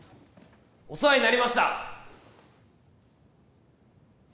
お世話になりました！